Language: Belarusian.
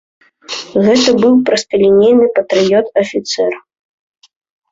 Гэта быў просталінейны патрыёт, афіцэр.